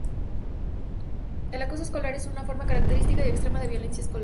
El "acoso escolar" es una forma característica y extrema de "violencia escolar".